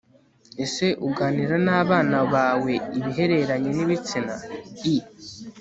ese uganira n'abana bawe ibihereranye n'ibitsina?i